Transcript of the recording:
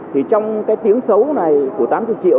thì trong cái tiếng xấu này của tám mươi triệu